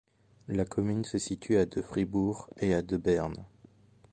La commune se situe à de Fribourg et à de Berne.